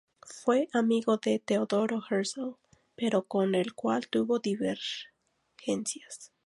Fue amigo de Theodor Herzl, pero con el cual tuvo divergencias.